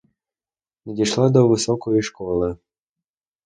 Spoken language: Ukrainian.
Не дійшла до високої школи.